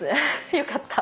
よかった。